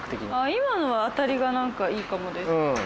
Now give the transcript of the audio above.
今のは当たりがなんかいいかもです。